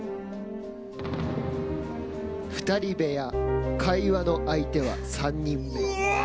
２人部屋、会話の相手は三人目。